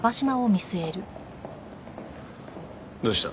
どうした？